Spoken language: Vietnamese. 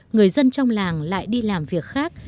người dân trong làng lại đi làm việc khác